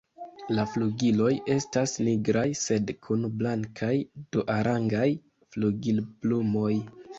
La flugiloj estas nigraj sed kun blankaj duarangaj flugilplumoj.